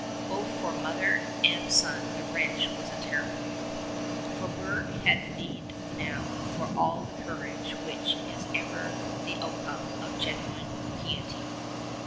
Both for mother and son the wrench was a terrible one. Frobert had need now of all the courage which is ever the outcome of genuine piety.